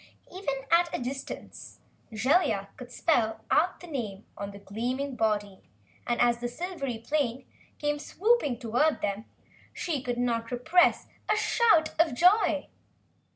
Even at a distance, Jellia could spell out the name on the gleaming body and, as the silvery plane came swooping toward them, she could not repress a shout of joy.